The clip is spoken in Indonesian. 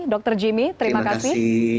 dokter jimmy terima kasih